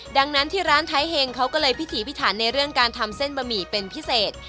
ดังนั้นที่ร้านไทยเฮงเขาก็เลยพิถีพิถันในเรื่องการทำเส้นบะหมี่เป็นพิเศษ